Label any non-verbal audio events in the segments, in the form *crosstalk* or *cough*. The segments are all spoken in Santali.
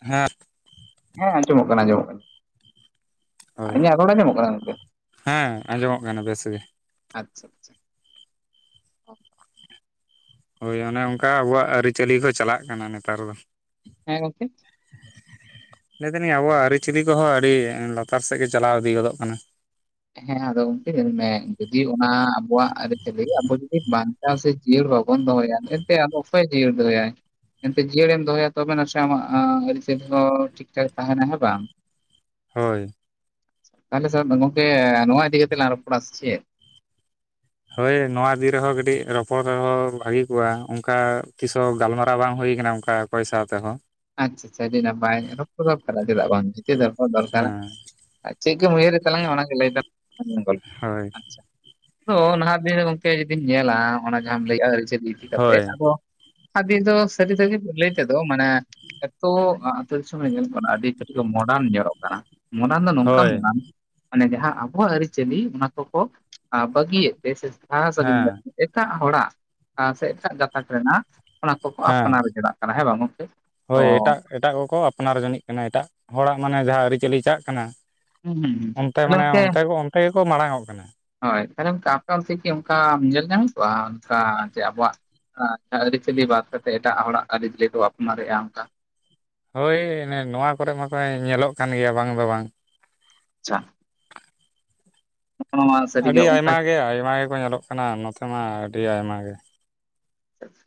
ᱦᱮ ᱦᱮᱸ ᱟᱸᱡᱚᱢᱚᱜ ᱠᱟᱱᱟ ᱟᱸᱡᱚᱢᱚᱜ ᱠᱟᱱᱟ᱾ ᱦᱳᱭ ᱤᱧᱟᱹᱜ ᱨᱚᱲ ᱟᱸᱡᱚᱢᱚᱜ ᱠᱟᱱᱟ ᱜᱚᱝᱠᱮ ᱦᱮᱸ ᱟᱸᱡᱚᱢᱚᱜ ᱠᱟᱱᱟ ᱵᱮᱥ ᱜᱮ᱾ ᱟᱪᱪᱷᱟ ᱟᱪᱪᱷᱟ ᱦᱳᱭ ᱚᱱᱮ ᱚᱱᱠᱟ ᱟᱵᱚᱣᱟᱜ ᱟᱹᱨᱤᱪᱟᱹᱞᱤ ᱠᱚ ᱪᱟᱞᱟᱜ ᱠᱟᱱᱟ ᱱᱮᱛᱟᱨ ᱫᱚ᱾ ᱦᱮᱸ ᱜᱚᱝᱠᱮ? ᱞᱟᱹᱭ ᱫᱟᱹᱞᱤᱧ ᱟᱵᱚᱣᱟᱜ ᱟᱹᱨᱤᱪᱟᱹᱞᱤ ᱠᱚᱦᱚᱸ ᱟᱹᱰᱤ ᱞᱟᱛᱟᱨ ᱥᱮᱫ ᱜᱮ ᱪᱟᱞᱟᱣ ᱤᱫᱤ ᱜᱚᱫᱚᱜ ᱠᱟᱱᱟ᱾ ᱦᱮᱸ ᱟᱫᱚ ᱜᱚᱢᱠᱮ ᱧᱮᱞᱢᱮ ᱡᱩᱫᱤ ᱚᱱᱟ ᱟᱵᱚᱣᱟᱜ ᱟᱹᱨᱤᱪᱟᱹᱞᱤ ᱟᱵᱚ ᱡᱩᱫᱤ ᱵᱟᱝᱼᱼ ᱪᱮᱫᱟᱜ ᱥᱮ ᱡᱤᱭᱟᱹᱲ ᱵᱟᱵᱚᱱ ᱫᱚᱦᱚᱭᱟ ᱮᱱᱛᱮ ᱟᱫᱚ ᱚᱠᱚᱭᱮ ᱡᱤᱭᱟᱹᱲ ᱫᱚᱦᱚᱭᱟ᱾ ᱮᱱᱛᱮᱫ ᱡᱤᱭᱟᱹᱲᱮᱢ ᱫᱚᱦᱚᱭᱟ ᱛᱚᱵᱮ ᱱᱟᱥᱮ ᱟᱢᱟᱜ ᱟ ᱟᱹᱨᱤᱪᱟᱹᱞᱤ ᱦᱚᱸ ᱴᱷᱤᱠ ᱴᱷᱟᱠ ᱛᱟᱦᱮᱱᱟ ᱦᱮᱸ ᱵᱟᱝ? ᱦᱳᱭ᱾ ᱛᱟᱞᱦᱮ *unintelligible* ᱜᱚᱝᱠᱮ ᱱᱚᱣᱟ ᱤᱫᱤ ᱠᱟᱛᱮ ᱞᱟᱝ ᱨᱚᱯᱚᱲᱟ ᱥᱮ ᱪᱮᱫ? ᱦᱳᱭ ᱱᱚᱣᱟ ᱤᱫᱤ ᱨᱮᱦᱚᱸ ᱠᱟᱹᱴᱤᱡ ᱨᱚᱯᱚᱲ ᱨᱮᱦᱚᱸ ᱵᱷᱟᱹᱜᱤ ᱠᱚᱜᱼᱟ ᱚᱱᱠᱟ ᱛᱤᱥ ᱦᱚᱸ ᱜᱟᱞᱢᱟᱨᱟᱣ ᱵᱟᱝ ᱦᱩᱭ ᱟᱠᱟᱱᱟ ᱚᱱᱠᱟᱼᱼ ᱚᱠᱚᱭ ᱥᱟᱶ ᱛᱮᱦᱚᱸ ᱟᱪᱪᱷᱟ ᱟᱪᱷᱟ ᱟᱹᱰᱤ ᱱᱟᱯᱟᱭ ᱨᱚᱯᱚᱲ ᱫᱚᱨᱠᱟᱨᱟ ᱪᱮᱫᱟᱜ ᱵᱟᱝ *unintelligible* ᱫᱚᱨᱠᱟᱨᱟ᱾ ᱦᱮᱸ ᱟᱨ ᱪᱮᱫ ᱠᱚᱢ ᱩᱭᱦᱟᱹᱨᱮᱫ ᱛᱟᱞᱟᱝᱟ ᱚᱱᱟᱜᱮ ᱞᱟᱹᱭ ᱛᱟᱞᱟᱝ ᱢᱮ ᱦᱳᱭ *inaudible* ᱟᱪᱪᱷᱟ, ᱟᱫᱚ ᱱᱟᱦᱟᱜ ᱫᱤᱱ ᱨᱮ ᱜᱚᱝᱠᱮ ᱡᱩᱫᱤᱢ ᱧᱮᱞᱟ ᱚᱱᱟ ᱡᱟᱦᱟᱸᱢ ᱞᱟᱹᱭᱮᱫᱼᱟ ᱟᱹᱨᱤᱪᱟᱹᱞᱤ ᱤᱫᱤ ᱦᱳᱭ ᱠᱟᱛᱮᱫ ᱟᱫᱚᱼᱼ ᱟᱫᱤ ᱫᱚ ᱥᱟᱹᱨᱤ ᱥᱟᱹᱨᱤ ᱞᱟᱹᱭ ᱛᱮᱫᱚ ᱢᱟᱱᱮᱼᱼ ᱮᱛᱚ ᱟᱹᱛᱳ ᱫᱤᱥᱚᱢ ᱨᱮ ᱧᱮᱞᱚᱜ ᱠᱟᱱᱟ ᱟᱹᱰᱤ ᱠᱟᱹᱴᱤᱡ ᱢᱚᱰᱟᱱ ᱧᱮᱞᱚᱜ ᱠᱟᱱᱟ᱾ ᱱᱚᱰᱟᱱ ᱫᱚ ᱱᱚᱝᱠᱟ ᱦᱳᱭ ᱢᱮᱱᱟᱜ ᱢᱟᱱᱮ ᱡᱟᱦᱟᱸ ᱟᱵᱚᱣᱟᱜ ᱟᱹᱨᱤᱪᱟᱹᱞᱤ ᱚᱱᱟ ᱠᱚᱠᱚ ᱵᱟᱹᱜᱤᱭᱮᱫᱼᱼ ᱵᱤᱥᱮᱥᱛᱟ ᱦᱮᱸ *unintelligible* ᱮᱴᱟᱜ ᱦᱚᱲᱟᱜ ᱥᱮ ᱮᱴᱟᱜ ᱜᱟᱛᱟᱠ ᱨᱮᱱᱟᱜᱼᱼ ᱚᱱᱟ ᱠᱚᱠᱚ ᱦᱮᱸ ᱟᱯᱱᱟᱨ ᱪᱟᱞᱟᱜ ᱠᱟᱱᱟ ᱦᱮᱸ ᱵᱟᱝ ᱜᱚᱢᱠᱮ? ᱦᱳᱭ ᱮᱴᱟᱜ ᱮᱴᱟᱜ ᱠᱚᱠᱚ ᱟᱯᱱᱟᱨ ᱡᱚᱱᱤᱡ ᱠᱟᱱᱟ ᱮᱴᱟᱜ ᱦᱚᱲᱟᱜ ᱢᱟᱱᱮ ᱡᱟᱦᱟᱸ ᱟᱹᱨᱤᱪᱟᱹᱞᱤ ᱪᱟᱜ ᱠᱟᱱᱟ᱾ ᱦᱩᱸ ᱦᱩᱸ ᱦᱩᱸ ᱚᱱᱛᱮ ᱛᱟᱦᱞᱮ ᱢᱟᱱᱮ ᱜᱚᱝᱠᱮ ᱚᱱᱛᱮ ᱠᱚ ᱚᱱᱛᱮ ᱜᱮᱠᱚ ᱢᱟᱲᱟᱝᱜ ᱠᱟᱱᱟ᱾ ᱦᱳᱭ ᱛᱟᱦᱚᱞᱮ ᱚᱱᱠᱟ ᱟᱯᱮ ᱛᱮᱜᱤ ᱚᱱᱠᱟ ᱧᱮᱞ ᱧᱟᱢ ᱦᱩᱭ ᱠᱚᱜᱼᱟ ᱚᱱᱠᱟ ᱡᱮ ᱟᱵᱚᱣᱟᱜᱼᱼ ᱟᱪᱪᱷᱟ ᱟᱹᱨᱤᱪᱟᱹᱞᱤ ᱵᱟᱫᱽ ᱠᱟᱛᱮᱜ ᱮᱴᱟᱜ ᱦᱚᱲᱟᱜ ᱟᱹᱨᱤᱪᱟᱹᱞᱤ ᱠᱚ ᱟᱯᱱᱟᱨᱮᱫᱼᱟ ᱚᱱᱠᱟᱼᱼ ᱦᱳᱭ ᱱᱚᱣᱟ ᱠᱚᱨᱮ ᱢᱟᱛᱚ ᱧᱮᱞᱚᱜ ᱠᱟᱱ ᱜᱮᱭᱟ ᱵᱟᱝ ᱫᱚ ᱵᱟᱝ᱾ ᱟᱪᱪᱷᱟ᱾ ᱱᱚᱜᱼᱚ ᱱᱚᱣᱟ ᱥᱟᱹᱨᱤᱜᱮ ᱟᱹᱰᱤ ᱚᱱᱠᱟ ᱟᱭᱢᱟ ᱜᱮ ᱟᱭᱢᱟ ᱜᱮᱠᱚ ᱧᱮᱞᱚᱜ ᱠᱟᱱᱟ ᱱᱚᱛᱮ ᱢᱟ ᱟᱹᱰᱤ ᱟᱭᱢᱟ ᱜᱮᱼᱼ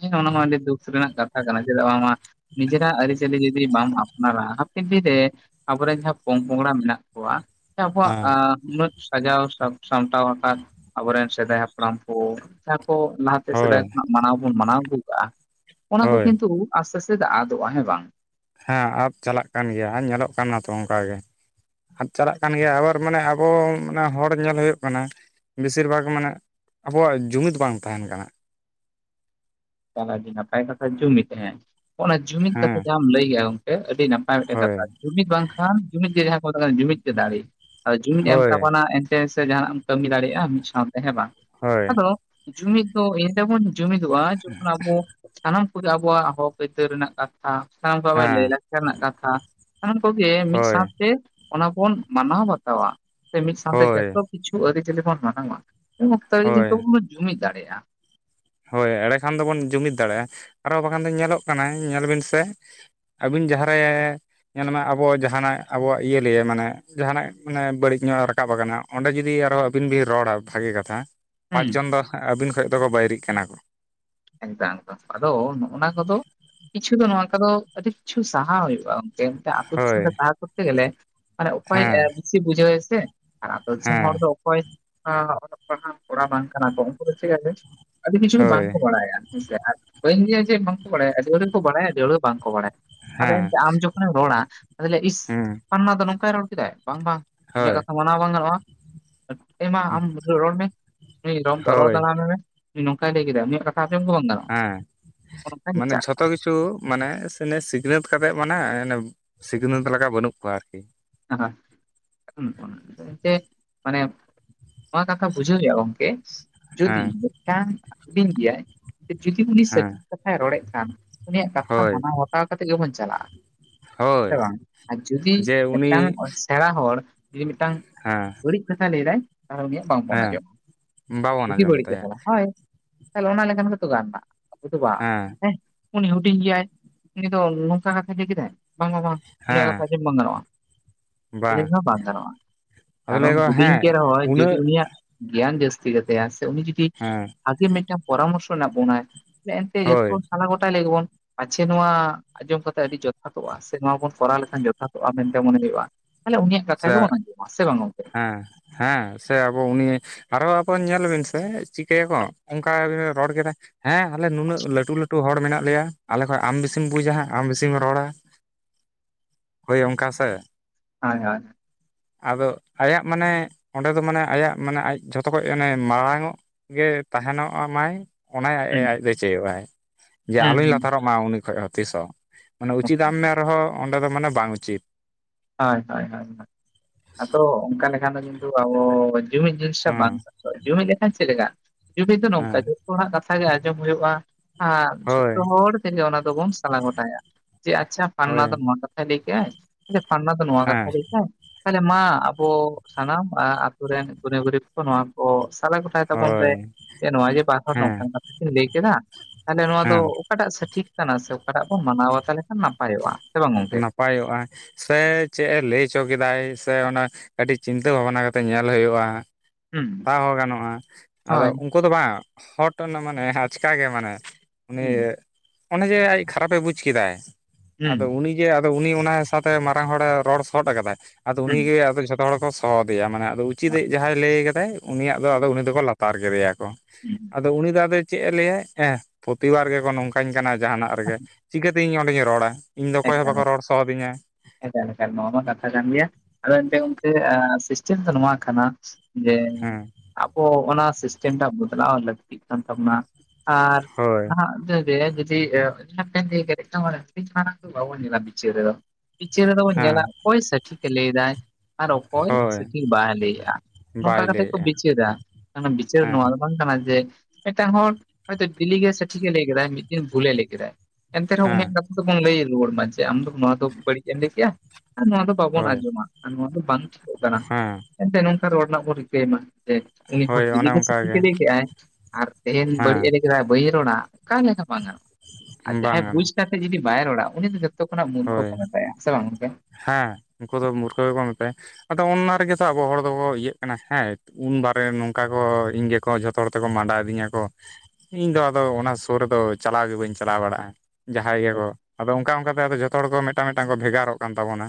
ᱦᱮᱸ ᱚᱱᱟᱢᱟ ᱟᱹᱰᱤ ᱫᱩᱠ ᱨᱮᱱᱟᱜ ᱠᱟᱛᱷᱟ ᱠᱟᱱᱟ ᱪᱮᱫᱟᱜ ᱵᱟᱝᱼᱢᱟ ᱱᱤᱡᱮᱨᱟᱜ ᱟᱹᱨᱤᱪᱟᱹᱞᱤ ᱡᱫᱤ ᱵᱟᱢ ᱟᱯᱱᱟᱨᱟ ᱦᱟᱯᱮᱱ ᱫᱤᱱ ᱨᱮᱼᱼ ᱟᱵᱚᱨᱮᱱ ᱡᱟᱦᱟᱸ ᱯᱚᱝ ᱯᱚᱝᱲᱟ ᱢᱮᱱᱟᱜ ᱠᱚᱣᱟ ᱟᱪᱪᱷᱟ ᱩᱱᱠᱚᱣᱟᱜ ᱦᱮᱸ ᱩᱱᱟᱹᱜᱼᱼ ᱥᱟᱡᱟᱣ ᱥᱟ ᱥᱟᱢᱴᱟᱣ ᱟᱠᱟᱫ ᱟᱵᱚᱨᱮᱱ ᱥᱮᱫᱟᱭ ᱦᱟᱯᱲᱟᱢ ᱠᱚᱼᱼ ᱡᱟᱦᱟᱸ ᱠᱚ ᱞᱟᱦᱟᱛᱮ ᱦᱳᱭ ᱥᱮᱫᱟᱭ ᱠᱷᱚᱱᱟᱜ ᱢᱟᱱᱟᱣ ᱵᱚᱱ ᱢᱟᱱᱟᱣ ᱟᱹᱜᱩ ᱠᱟᱜᱼᱟ ᱚᱱᱟ ᱠᱚ ᱦᱳᱭ ᱠᱤᱱᱛᱩ ᱟᱥᱛᱮ ᱟᱥᱛᱮᱼᱼ ᱪᱮᱫᱟᱜ ᱟᱫᱚᱜᱼᱟ ᱦᱮᱸ ᱵᱟᱝ? ᱦᱮᱸ ᱟᱫ ᱪᱟᱞᱟᱜ ᱠᱟᱱ ᱜᱮᱭᱟ ᱦᱮᱸ ᱧᱮᱞᱚᱜ ᱠᱟᱱᱟ ᱛᱚ ᱚᱱᱠᱟ ᱜᱮ᱾ ᱟᱫ ᱪᱟᱞᱟᱜ ᱠᱟᱱ ᱜᱮᱭᱟ ᱟᱵᱟᱨ ᱢᱟᱱᱮ ᱟᱵᱚ ᱦᱚᱲ ᱧᱮᱞ ᱦᱩᱭᱩᱜ ᱠᱟᱱᱟ᱾ ᱵᱮᱥᱤᱨ ᱵᱷᱟᱜᱽ ᱢᱟᱱᱮ ᱟᱵᱚᱣᱟᱜ ᱡᱩᱢᱤᱫ ᱵᱟᱝ ᱛᱟᱦᱮᱸᱱ ᱠᱟᱱᱟ᱾ ᱟᱹᱰᱤ ᱱᱟᱯᱟᱭ ᱠᱟᱛᱷᱟ ᱡᱩᱢᱤᱫ ᱦᱮᱸ ᱚᱱᱟ ᱡᱩᱢᱤᱫ ᱦᱮᱸ ᱠᱟᱛᱷᱟ ᱡᱟᱦᱟᱸᱢ ᱞᱟᱹᱭᱮᱜᱼᱟ ᱜᱚᱝᱠᱮ ᱟᱹᱰᱤ ᱱᱟᱯᱼᱼ ᱢᱤᱫᱴᱮᱱ ᱦᱳᱭ ᱠᱟᱛᱷᱟ ᱡᱩᱢᱤᱫ ᱵᱟᱝᱠᱷᱟᱱ ᱡᱩᱢᱤᱫ ᱜᱮ ᱡᱟᱦᱟᱸ ᱠᱚ ᱢᱮᱛᱟᱜ ᱠᱟᱱᱟ ᱡᱩᱢᱤᱫ ᱜᱮ ᱫᱟᱲᱮ ᱟᱫᱚ ᱡᱩᱢᱤᱫ ᱮᱢ ᱦᱳᱭ ᱛᱟᱵᱚᱱᱟ ᱮᱱᱼᱼ ᱥᱮ ᱡᱟᱦᱟᱱᱟᱜ ᱮᱢ ᱠᱟᱹᱢᱤ ᱫᱟᱲᱮᱭᱟᱜᱼᱟ ᱢᱤᱫ ᱥᱟᱶᱛᱮ ᱦᱮᱸ ᱵᱟᱝ ᱦᱳᱭ ᱟᱫᱚ? ᱡᱩᱢᱤᱫ ᱫᱚ ᱮᱱᱨᱮᱵᱚᱱ ᱡᱩᱢᱤᱫᱚᱜᱼᱟ ᱡᱚᱠᱷᱚᱱ ᱟᱵᱚ ᱥᱟᱱᱟᱢ ᱠᱚᱜᱮ ᱟᱵᱚᱣᱟᱜ ᱦᱚᱠ ᱟᱹᱭᱫᱟᱹᱨ ᱨᱮᱱᱟᱜ ᱠᱟᱛᱷᱟᱼᱼ ᱵᱟᱵᱟᱭ ᱦᱮᱸ ᱞᱟᱭᱫᱟ ᱨᱮᱱᱟᱜ ᱠᱟᱛᱷᱟ ᱥᱟᱱᱟᱢ ᱠᱚᱜᱮ ᱢᱤᱫ ᱦᱳᱭ ᱥᱟᱶᱛᱮᱼᱼ ᱚᱱᱟ ᱵᱚᱱ ᱢᱟᱱᱟᱣ ᱵᱟᱛᱟᱣᱟ ᱥᱮ ᱢᱤᱫ ᱥᱟᱶᱛᱮ ᱦᱳᱭ ᱡᱚᱛᱚ ᱠᱤᱪᱷᱩ ᱟᱹᱨᱤᱪᱟᱹᱞᱤ ᱵᱚᱱ ᱢᱟᱱᱟᱣᱟ᱾ ᱚᱠᱛᱚ ᱦᱳᱭ ᱡᱚᱛᱚ ᱵᱚᱱ ᱡᱩᱢᱤᱫ ᱫᱟᱲᱮᱭᱟᱜᱼᱟ᱾ ᱦᱳᱭ ᱮᱲᱰᱮ ᱠᱷᱟᱱ ᱫᱚ ᱵᱚᱱ ᱡᱩᱢᱤᱫ ᱫᱟᱲᱮᱭᱟᱜᱼᱟ ᱟᱨᱚ ᱵᱟᱠᱷᱟᱱ ᱫᱚ ᱧᱮᱞᱚᱜ ᱠᱟᱱᱟ ᱧᱮᱞ ᱵᱤᱱ ᱥᱮᱼᱼ ᱟᱹᱵᱤᱱ ᱡᱟᱦᱟᱸ ᱨᱮᱼᱼ ᱧᱮᱞ ᱢᱮ ᱟᱵᱚ ᱡᱟᱦᱟᱸᱱᱟᱜ ᱟᱵᱚᱣᱟᱜ ᱤᱭᱟᱹ ᱞᱤᱭᱟᱹ ᱢᱟᱱᱮ ᱡᱟᱦᱟᱱᱟᱜ ᱢᱟᱱᱮ ᱵᱟᱹᱲᱤᱡ ᱧᱚᱜ ᱨᱟᱠᱟᱵ ᱟᱠᱟᱱᱟ᱾ ᱚᱸᱰᱮ ᱡᱩᱫᱤ ᱟᱨᱦᱚᱸ ᱟᱹᱵᱤᱱ ᱵᱤᱱ ᱨᱚᱲᱟ ᱵᱷᱟᱜᱤ ᱠᱟᱛᱷᱟ ᱦᱩᱸ ᱯᱟᱸᱪ ᱡᱚᱱ ᱫᱚ ᱟᱹᱵᱤᱱ ᱠᱷᱚᱡ ᱫᱚᱠᱚ ᱵᱟᱭᱨᱤᱜ ᱠᱟᱱᱟ ᱠᱚ ᱟᱫᱚ ᱱᱚᱜᱼᱱᱟ ᱠᱚᱫᱚᱼᱼ ᱠᱤᱪᱷᱩ ᱫᱚ ᱱᱚᱣᱟ ᱠᱚᱫᱚ ᱟᱹᱰᱤ ᱠᱤᱪᱷᱩ ᱥᱟᱦᱟᱣ ᱦᱩᱭᱩᱜ-ᱟ ᱜᱚᱢᱠᱮ᱾ ᱟᱛᱩ ᱫᱤᱥᱚᱢ ᱦᱳᱭ ᱨᱮ ᱛᱟᱦᱮᱸ ᱠᱚᱨᱛᱮ ᱜᱮᱞᱮ ᱚᱠᱚᱭ ᱦᱮᱸ ᱮᱸ ᱵᱮᱥᱤ ᱵᱩᱡᱷᱟᱹᱣ ᱟᱭ ᱥᱮ ᱟᱨ ᱟᱛᱩ ᱫᱤᱥᱚᱢ ᱦᱮᱸ ᱦᱚᱲ ᱫᱚ ᱚᱠᱚᱭ ᱚᱞᱚᱜ ᱯᱟᱲᱦᱟᱜ ᱠᱚᱲᱟ ᱵᱟᱝ ᱠᱟᱱᱟ ᱠᱚ ᱩᱱᱠᱩ *unintelligible* ᱟᱹᱰᱤ ᱠᱤᱪᱷᱩ ᱜᱮ ᱵᱟᱝ ᱦᱳᱭ ᱵᱟᱲᱟᱭᱟ ᱦᱮᱸ ᱥᱮ ᱟᱨ ᱵᱟᱹᱧ ᱞᱟᱹᱭᱟ ᱡᱮ ᱵᱟᱝᱠᱚ ᱵᱟᱲᱟᱭᱟ ᱟᱹᱰᱤ ᱦᱚᱲ ᱜᱮᱠᱚ ᱵᱟᱲᱟᱭᱟ ᱟᱹᱰᱤ ᱦᱚᱲ ᱫᱚ ᱵᱟᱝᱠᱚ ᱵᱟᱲᱟᱭᱟ ᱾ ᱟᱫᱚ ᱦᱮᱸ ᱮᱱᱛᱮ ᱟᱢ ᱡᱚᱠᱷᱚᱱᱮᱢ ᱨᱚᱲᱟ ᱟᱫᱚ ᱞᱟᱹᱭᱟ ᱤᱥ ᱦᱩᱸ ᱯᱟᱞᱱᱟ ᱫᱚ ᱱᱚᱝᱠᱟᱭ ᱨᱚᱲ ᱠᱮᱫᱟ ᱵᱟᱝ ᱵᱟᱝ ᱩᱱᱤᱭᱟᱜ ᱦᱳᱭ ᱠᱟᱛᱷᱟ ᱚᱱᱟ ᱵᱟᱝ ᱜᱟᱱᱚᱜ-ᱟ ᱦᱮᱸ ᱢᱟ ᱟᱢ ᱨᱚᱲ ᱢᱮ ᱨᱚᱲ ᱦᱳᱭ ᱫᱟᱲᱟᱢ ᱮᱢᱮ, ᱱᱚᱝᱠᱟᱭ ᱞᱟᱹᱭ ᱠᱮᱫᱟ ᱩᱱᱤᱭᱟ ᱠᱟᱛᱷᱟ ᱟᱡᱚᱢ ᱜᱮ ᱵᱟᱝ ᱜᱟᱱᱚ ᱦᱮᱸ ᱢᱟᱱᱮ ᱡᱷᱚᱛᱚ ᱠᱤᱪᱷᱩ ᱠᱤᱪᱷᱩ ᱢᱟᱱᱮ ᱥᱤᱠᱷᱱᱟᱹᱛ ᱠᱟᱛᱮ ᱢᱟᱱᱮ ᱥᱤᱠᱷᱱᱟᱹᱛ ᱞᱮᱠᱟ ᱵᱟᱹᱱᱩᱜ ᱠᱚᱣᱟ ᱟᱨᱠᱤ᱾ *unintelligible* ᱢᱟᱱᱮ ᱱᱚᱣᱟ ᱠᱟᱛᱷᱟ ᱵᱩᱡᱟᱹᱣ ᱦᱩᱭᱩᱜ-ᱟ ᱜᱚᱢᱠᱮ᱾ ᱡᱩᱫᱤ ᱦᱮᱸ ᱢᱤᱫᱴᱟᱝ ᱦᱩᱰᱤᱧ ᱜᱮᱭᱟᱭ ᱡᱩᱫᱤ ᱩᱱᱤ ᱦᱮᱸ ᱥᱟᱨᱤ ᱠᱟᱛᱷᱟᱭ ᱨᱚᱲᱮᱫ ᱠᱷᱟᱱ ᱩᱱᱤᱭᱟᱜ ᱠᱟᱛᱷᱟ ᱦᱳᱭ ᱢᱟᱱᱟᱣ ᱵᱟᱛᱟᱣ ᱠᱟᱛᱮ ᱜᱮᱵᱚᱱ ᱪᱟᱞᱟᱜ-ᱟ ᱦᱳᱭ ᱥᱮ ᱵᱟᱝ, ᱟᱨ ᱡᱩᱫᱤ ᱡᱮ ᱩᱱᱤ ᱢᱤᱫᱴᱟᱝ ᱥᱮᱬᱟ ᱦᱚᱲ ᱡᱩᱫᱤ ᱢᱤᱫᱴᱟᱝ ᱦᱮᱸ, ᱵᱟᱹᱲᱤᱡ ᱠᱟᱛᱷᱟ ᱞᱟᱹᱭᱫᱟᱭ ᱛᱟᱦᱚᱞᱮ ᱩᱱᱤᱭᱟᱜ ᱵᱟᱝ ᱵᱚᱱ ᱦᱮᱸ ᱟᱸᱡᱚᱢ-ᱟ ᱵᱟᱵᱚᱱ ᱵᱮᱥᱤ ᱟᱸᱡᱚᱢ ᱵᱟᱹᱲᱤᱡ ᱛᱟᱭᱟ ᱠᱟᱛᱷᱟ ᱦᱳᱭ᱾ ᱛᱟᱦᱚᱞᱮ ᱚᱱᱟ ᱞᱮᱠᱷᱟᱱ ᱜᱮᱛᱚ ᱜᱟᱱ ᱱᱟ *unintelligible* ᱵᱟᱝ ᱦᱮᱸ ᱩᱱᱤ ᱦᱩᱰᱤᱧ ᱜᱮᱭᱟᱭ ᱩᱱᱤ ᱫᱚ ᱱᱚᱝᱠᱟ ᱠᱟᱛᱷᱟ ᱞᱟᱹᱭ ᱠᱮᱫᱟᱭ ᱵᱟᱝᱟ ᱵᱟᱝ ᱩᱱᱤᱭᱟᱜ ᱦᱮᱸ ᱠᱟᱛᱷᱟ ᱟᱡᱚᱢ ᱵᱟᱝ ᱜᱟᱱᱚᱜ-ᱟ᱾ ᱛᱟᱦᱚᱞᱮ ᱫᱚ ᱵᱟᱝ ᱜᱟᱱᱚᱜ-ᱟ ᱟᱫᱚ ᱞᱟᱹᱭ ᱠᱟᱨᱚᱱ ᱟᱠᱚ ᱦᱩᱰᱤᱧ ᱦᱮᱸ ᱜᱮ ᱨᱮᱦᱚᱸᱭ ᱩᱱᱟᱹᱜ ᱡᱩᱫᱤ ᱩᱱᱤᱭᱟᱜ ᱜᱮᱭᱟᱱ ᱡᱟᱹᱥᱛᱤ ᱜᱮᱛᱟᱭᱟ ᱥᱮ ᱩᱱᱤ ᱡᱩᱫᱤ ᱦᱮᱸ ᱵᱷᱟᱜᱮ ᱢᱤᱫᱴᱟᱝ ᱯᱚᱨᱟᱢᱚᱨᱥᱚ *unintelligible* ᱵᱚᱱᱟᱭ ᱮᱱᱛᱮ ᱦᱳᱭ ᱡᱚᱛᱚ ᱥᱟᱞᱟ ᱜᱳᱚᱴᱟᱭ ᱞᱮᱜᱮ ᱵᱚᱱ, ᱯᱟᱪᱷᱮ ᱱᱚᱣᱟ ᱟᱸᱡᱚᱢ ᱠᱟᱛᱮ ᱟᱹᱰᱤ ᱡᱚᱛᱷᱟᱛᱚᱜᱼᱟ ᱥᱮ ᱱᱚᱣᱟ ᱵᱚᱱ ᱠᱚᱨᱟᱣ ᱞᱮᱠᱷᱟᱱ ᱡᱚᱛᱷᱟᱛᱚᱜ-ᱟ ᱢᱮᱱ ᱢᱚᱱᱮ ᱦᱩᱭᱩᱜ-ᱟ ᱛᱟᱦᱚᱞᱮ ᱩᱱᱤᱭᱟᱜ ᱥᱮ ᱥᱮ ᱵᱟᱝ ᱜᱚᱝᱠᱮ ᱦᱮᱸ ᱦᱮᱸ ᱥᱮ ᱟᱵᱚ ᱩᱱᱤ ᱟᱨᱚ ᱟᱵᱚ ᱧᱮᱞ ᱵᱤᱱ ᱥᱮ ᱪᱤᱠᱟᱹᱭᱟ ᱠᱚ ᱚᱱᱠᱟ ᱵᱤᱱ ᱨᱚᱲ ᱠᱮᱫᱟ ᱦᱮᱸ ᱟᱞᱮ ᱱᱩᱱᱟᱹᱜ ᱞᱟᱹᱴᱩ ᱞᱟᱹᱴᱩ ᱦᱚᱲ ᱢᱮᱱᱟᱜ ᱞᱮᱭᱟ ᱟᱞᱮ ᱠᱷᱚᱡ ᱟᱢ ᱵᱤᱥᱤᱢ ᱵᱩᱡᱟ ᱟᱢ ᱵᱤᱥᱤᱢ ᱨᱚᱲᱟ ᱦᱳᱭ ᱚᱱᱠᱟ ᱥᱮ᱾ ᱦᱳᱭ ᱦᱳᱭ ᱾ ᱟᱫᱚ ᱟᱭᱟᱜ ᱢᱟᱱᱮ ᱚᱸᱰᱮ ᱫᱚ ᱢᱟᱱᱮ ᱟᱭᱟᱜ ᱢᱟᱱᱮ ᱟᱡ ᱡᱷᱚᱛᱚ ᱠᱷᱱ ᱢᱟᱱᱮ ᱢᱟᱲᱟᱝ ᱚᱜ ᱜᱮ ᱛᱟᱦᱮᱱᱚᱜ ᱢᱟᱭ ᱚᱱᱟ ᱟᱡ ᱦᱩᱸ ᱟᱡ ᱫᱚᱭ ᱪᱟᱹᱭᱚᱜ-ᱟᱭ ᱡᱮ ᱦᱩᱸ ᱟᱞᱚᱧ ᱞᱟᱛᱟᱨᱚᱜ ᱢᱟ ᱩᱱᱤ ᱠᱷᱚᱡ ᱦᱚᱸ ᱛᱤᱥ ᱦᱚᱸ ᱾ ᱢᱟᱱᱮ ᱦᱩᱸ ᱩᱪᱤᱛᱟᱜᱮᱢ ᱢᱮᱱ ᱨᱮᱦᱚᱸ ᱚᱸᱰᱮ ᱫᱚ ᱢᱟᱱᱮ ᱵᱟᱝ ᱩᱪᱤᱛ, ᱦᱳᱭ ᱦᱳᱭ ᱦᱳᱭ ᱟᱫᱚ ᱚᱱᱠᱟ ᱞᱮᱠᱷᱟᱱ ᱫᱚ ᱠᱤᱱᱛᱩ ᱟᱵᱚ ᱡᱩᱢᱤᱫ ᱡᱤᱱᱤᱥᱴᱟ ᱦᱮᱸ ᱵᱟᱝ ᱛᱟᱦᱮᱱᱟ ᱾ ᱡᱩᱢᱤᱫ ᱞᱮᱠᱷᱟᱱ ᱪᱮᱫ ᱞᱮᱠᱟ ᱡᱩᱢᱤᱫ ᱫᱚ ᱱᱚᱝᱠᱟ ᱦᱮᱸ ᱡᱚᱛᱚ ᱦᱚᱲᱟᱜ ᱠᱟᱛᱷᱟ ᱜᱮ ᱟᱸᱡᱚᱢ ᱦᱩᱭᱩᱜ-ᱟ᱾ ᱦᱳᱭ ᱡᱷᱚᱛᱚ ᱦᱚᱲ ᱛᱮᱜᱮ ᱚᱱᱟ ᱫᱚᱵᱚᱱ ᱥᱟᱞᱟ ᱜᱚᱴᱟᱭᱟ ᱡᱮ ᱟᱪᱪᱷᱟ ᱯᱷᱟᱱᱱᱟ ᱦᱳᱭ ᱫᱚ ᱥᱟᱰᱮ ᱠᱮᱭᱟᱭ ᱡᱮ ᱯᱷᱟᱱᱱᱟ ᱛᱚ ᱱᱚᱣᱟ ᱠᱟᱛᱷᱟ ᱦᱮᱸ ᱞᱟᱹ ᱭ ᱫᱟᱭ, ᱛᱟᱦᱚᱞᱮ ᱢᱟ ᱟᱵᱚ ᱥᱟᱱᱟᱢ ᱟᱛᱩ ᱨᱮᱱ ᱜᱩᱱᱤ ᱜᱩᱨᱤᱵ ᱱᱚᱣᱟ ᱠᱚ ᱥᱟᱞᱟ ᱜᱚᱴᱟᱭ ᱛᱟᱵᱚᱱ ᱯᱮ ᱦᱳᱭ ᱱᱚᱣᱟ ᱡᱮ ᱵᱟᱨ ᱦᱚᱲ ᱱᱚᱝᱠᱟᱱ ᱦᱮᱸ ᱠᱟᱛᱷᱟ ᱠᱤᱱ ᱞᱟᱹᱭ ᱠᱮᱫᱟ᱾ ᱛᱟᱦᱚᱞᱮ ᱱᱚᱣᱟ ᱫᱚ ᱦᱮᱸ ᱚᱠᱟᱴᱟᱜ ᱥᱚᱴᱷᱤᱠ ᱠᱟᱱᱟ ᱥᱮ ᱚᱠᱟᱴᱟᱜ ᱵᱚᱱ ᱢᱟᱱᱟᱣ ᱵᱟᱛᱟᱣ ᱞᱮ ᱠᱷᱟᱱ ᱱᱟᱯᱟᱭᱚᱜ-ᱟ ᱥᱮ ᱵᱟᱝ ᱜᱚᱝᱠᱮ᱾ ᱱᱟᱯᱟᱭᱚᱜ-ᱟ, ᱥᱮ ᱪᱮᱫ ᱮ ᱞᱟᱹᱭ ᱦᱚᱪᱚ ᱠᱮᱫᱟᱭ ᱥᱮ ᱚᱱᱟ ᱠᱟᱹᱴᱤᱡ ᱪᱤᱱᱛᱟᱹ ᱵᱷᱟᱵᱱᱟ ᱠᱟᱛᱮᱜ ᱧᱮᱞ ᱦᱩᱭᱩᱜ-ᱟ᱾ ᱦᱩᱸ ᱛᱟᱣ ᱜᱟᱱᱚᱜ-ᱟ, ᱟᱫᱚ ᱦᱳᱭ ᱩᱱᱠᱩ ᱫᱚ ᱵᱟᱝ ᱦᱚᱲ ᱴᱮᱱ ᱢᱟᱱᱮ ᱟᱪᱠᱟᱜᱮ ᱢᱟᱱᱮ ᱩᱱᱤ ᱦᱩᱸ ᱚᱱᱮ ᱡᱮ ᱟᱡ ᱠᱷᱟᱨᱟᱯ ᱮ ᱵᱩᱡ ᱠᱮᱫᱟᱭ, ᱦᱩᱸ ᱩᱱᱤᱜᱮ ᱟᱫᱚ ᱩᱱᱤ ᱚᱱᱟ ᱥᱟᱶᱟᱛᱮ ᱢᱟᱨᱟᱝ ᱦᱚᱲᱮ ᱨᱚᱲ ᱥᱚᱫ ᱠᱟᱫᱟᱭ ᱟᱫᱚ ᱦᱩᱸ ᱩᱱᱤ ᱜᱮ ᱟᱫᱚ ᱡᱷᱚᱛᱚ ᱦᱚᱲ ᱠᱚ ᱦᱚᱦᱚᱫᱮᱭᱟ ᱢᱟᱱᱮ ᱟᱫᱚ ᱩᱪᱤᱛ ᱤᱫ ᱡᱟᱦᱟᱸᱭ ᱞᱟᱹᱭ ᱟᱠᱟᱫᱟᱭ ᱩᱱᱤᱭᱟᱜ ᱫᱚ ᱟᱫᱚ ᱩᱱᱤ ᱫᱚᱠᱚ ᱞᱟᱛᱟᱨ ᱠᱮᱫᱮᱭᱟ ᱠᱚ᱾ ᱟᱫᱚ ᱩᱱᱤ ᱫᱟ ᱟᱫᱚ ᱫᱚ ᱪᱮᱫ ᱮ ᱞᱟᱹᱭᱟᱭ ᱦᱮᱸ ᱯᱨᱚᱛᱤᱵᱟᱨ ᱜᱮᱠᱚ ᱱᱚᱝᱠᱟᱧ ᱠᱟᱱᱟ ᱡᱟᱦᱟᱱᱟᱜ ᱨᱮᱜᱮ᱾ ᱪᱤᱠᱟᱹᱛᱮ ᱤᱧ ᱚᱸᱰᱮᱧ ᱨᱚᱲᱟ ᱤᱧᱫᱚ ᱚᱠᱚᱭ ᱦᱚᱸ ᱵᱟᱠᱚ ᱨᱚᱲ ᱥᱚ ᱟᱫᱤᱧᱟ᱾ ᱮᱠᱟᱞ ᱮᱠᱟᱞ ᱱᱚᱣᱟ ᱢᱟ ᱠᱟᱛᱷᱟ ᱡᱟᱱ ᱜᱮᱭᱟ᱾ ᱟᱫᱚ ᱮᱱᱛᱮ ᱜᱚᱝᱠᱮ ᱥᱤᱥᱴᱮᱢ ᱫᱚ ᱱᱚᱣᱟ ᱠᱟᱱᱟ ᱡᱮ ᱦᱩᱸ᱾ ᱟᱵᱚ ᱚᱱᱟ ᱥᱤᱥᱴᱮᱢᱴᱟᱜ ᱵᱚᱫᱞᱟᱣ ᱞᱟᱹᱠᱛᱤᱜ ᱠᱟᱱ ᱛᱟᱵᱚᱱᱟ ᱟᱨ ᱦᱳᱭ ᱱᱟᱦᱟᱜ *unintelligible* ᱵᱤᱪᱟᱹᱨ ᱨᱮ ᱫᱚ᱾ ᱯᱤᱪᱟᱹᱨ ᱨᱮᱫᱚ ᱵᱚᱱ ᱧᱮᱞᱟ ᱦᱮᱸ ᱚᱠᱚᱭ ᱥᱚᱴᱷᱤᱠ ᱮ ᱞᱟᱹᱭ ᱫᱟᱭ᱾ ᱟᱨ ᱚᱠᱚᱭ ᱦᱳᱭ ᱥᱚᱴᱷᱤᱠ ᱵᱟᱭ ᱞᱟᱹᱭᱮᱜᱼᱟ ᱱᱚᱝᱠᱟ ᱵᱟᱭ ᱠᱟᱛᱮ ᱠᱚ ᱞᱟᱹᱭᱮᱜᱼᱟ ᱵᱤᱪᱟᱹᱨᱟ ᱵᱤᱪᱟᱹᱨ ᱱᱚᱣᱟ ᱦᱮᱸ ᱫᱚ ᱵᱟᱝ ᱠᱟᱱᱟ ᱡᱮ ᱢᱤᱫᱴᱟᱝ ᱦᱚᱲ ᱦᱚᱭᱛᱳ ᱫᱤᱞᱤᱜ ᱜᱮ ᱥᱚᱴᱷᱤᱠᱮ ᱞᱟᱹᱭ ᱠᱮᱫᱟᱭ ᱢᱤᱫ ᱫᱤᱱ ᱵᱷᱩᱞᱮ ᱞᱟᱹᱭ ᱠᱮᱫᱟᱭ᱾ ᱮᱱᱛᱮ ᱨᱮᱦᱚᱸ ᱩᱱᱤᱭᱟᱜ ᱦᱮᱸ ᱠᱟᱛᱷᱟ ᱫᱚᱵᱚᱱ ᱞᱟᱹᱭ ᱨᱩᱣᱟᱹᱲ ᱢᱟ ᱡᱮ ᱟᱢ ᱫᱚ ᱱᱚᱣᱟ ᱫᱚ ᱵᱟᱹᱲᱤᱡ ᱮᱢ ᱞᱟᱹᱭ ᱠᱮᱜᱼᱟ ᱟᱨ ᱱᱚᱣᱟ ᱫᱚ ᱵᱟᱵᱚᱱ ᱦᱳᱭ ᱟᱸᱡᱚᱢᱟ ᱟᱨ ᱱᱚᱣᱟ ᱫᱚ ᱵᱟᱝ ᱴᱷᱤᱠᱟᱹᱜ ᱠᱟᱱᱟ ᱦᱮᱸ ᱮᱱᱛᱮ ᱱᱚᱝᱠᱟ ᱨᱚᱲ ᱨᱮᱱᱟᱜ ᱵᱚᱱ ᱨᱤᱠᱟᱹᱭ ᱢᱟ᱾ ᱡᱮ ᱩᱱᱤ ᱦᱚᱲ ᱦᱳᱭ ᱰᱤᱞᱤ ᱚᱱᱮ ᱜᱮ ᱚᱱᱠᱟ ᱥᱚᱴᱷᱤᱠᱮ ᱞᱟᱹᱭ ᱠᱮᱜᱼᱟᱭ ᱟᱨ ᱛᱮᱦᱮᱧ ᱵᱟᱹᱲᱤᱡ ᱮ ᱦᱮᱸ ᱪᱮᱫᱟᱭ ᱵᱟᱹᱧ ᱨᱚᱲᱟ ᱚᱠᱟ ᱞᱮᱠᱟ ᱵᱟᱝ ᱜᱟᱱᱚᱜᱼᱟ ᱟᱨ ᱵᱟᱝ ᱡᱟᱦᱟᱸᱭ ᱵᱩᱡᱽ ᱜᱟᱱᱚᱜᱼᱟ ᱠᱟᱛᱮᱫ ᱡᱩᱫᱤ ᱵᱟᱭ ᱨᱚᱲᱟ ᱩᱱᱤ ᱫᱚ ᱡᱚᱛᱚ ᱡᱚᱛᱚ ᱠᱷᱚᱱᱟᱜ ᱢᱩᱨᱠᱷᱚ ᱦᱳᱭ ᱢᱮᱛᱟᱭᱟ ᱥᱮ ᱵᱟᱝ ᱜᱚᱝᱠᱮ? ᱦᱮᱸ ᱩᱱᱠᱩ ᱫᱚ ᱢᱩᱨᱠᱷᱟᱹ ᱜᱮᱠᱚ ᱢᱮᱛᱟᱭᱟ᱾ ᱟᱫᱚ ᱚᱱᱟ ᱨᱮᱜᱮ ᱛᱚ ᱟᱵᱚ ᱦᱚᱲ ᱫᱚᱠᱚ ᱤᱭᱟᱹᱜ ᱠᱟᱱᱟ ᱦᱮᱸ ᱩᱱ ᱵᱟᱨᱮ ᱱᱚᱝᱠᱟ ᱠᱚ ᱤᱧ ᱜᱮ ᱠᱚ ᱡᱷᱚᱛᱚ ᱦᱚᱲ ᱛᱮᱠᱚ ᱢᱟᱸᱰᱟ ᱤᱫᱤᱧᱟ ᱠᱚ ᱤᱧ ᱫᱚ ᱟᱫᱚ ᱚᱱᱟ ᱥᱩᱨ ᱨᱮᱫᱚ ᱪᱟᱞᱟᱣ ᱜᱮ ᱵᱟᱹᱧ ᱪᱟᱞᱟᱣ ᱵᱟᱲᱟᱜᱼᱟ᱾ ᱡᱟᱦᱟᱸᱭ ᱜᱮᱠᱚ ᱟᱫᱚ ᱚᱱᱠᱟ ᱚᱱᱠᱟ ᱛᱮ ᱟᱫᱚ ᱡᱷᱚᱛᱚ ᱦᱚᱲ ᱠᱚ ᱢᱤᱫᱴᱟᱝ ᱢᱤᱫᱴᱟᱝ ᱠᱚ ᱵᱷᱮᱜᱟᱨᱚᱜ ᱠᱟᱱ ᱛᱟᱵᱚᱱᱟ᱾